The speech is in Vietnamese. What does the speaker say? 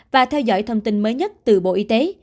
và theo dõi thông tin mới nhất từ bộ y tế